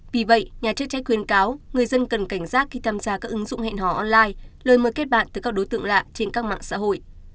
vì vậy nhà chức trách khuyên cáo người dân cần cảnh giác khi tham gia các ứng dụng hẹn hò online lời mời kết bạn từ các đối tượng lạ trên các mạng xã hội